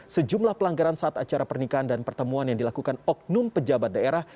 sejumlah pelanggaran saat acara pernikahan dan pertemuan yang dilakukan oknum pejabat daerah